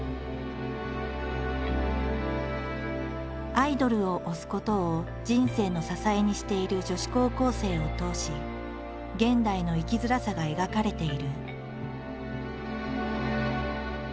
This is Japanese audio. アイドルを「推す」ことを人生の支えにしている女子高校生を通し現代の生きづらさが描かれている。